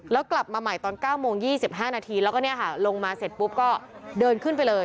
แล้วกลับมาใหม่ตอน๙โมง๒๕นาทีแล้วก็ลงมาเสร็จปุ๊บก็เดินขึ้นไปเลย